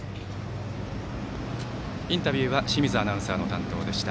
インタビューは清水アナウンサーの担当でした。